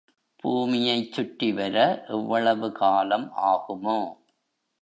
பூமியைச் சுற்றிவர எவ்வளவு காலம் ஆகுமோ?